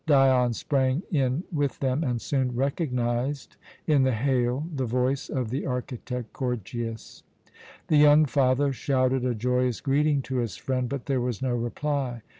Dion sprang in with them, and soon recognized in the hail the voice of the architect Gorgias. The young father shouted a joyous greeting to his friend, but there was no reply.